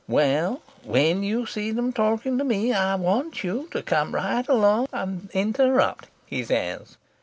Well, when you see them talking to me, I want you to come right along and interrupt,' he says.